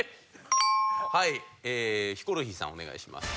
はいヒコロヒーさんお願いします。